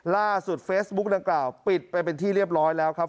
ล่าสุดเฟซบุ๊กดังกล่าวปิดไปเป็นที่เรียบร้อยแล้วครับ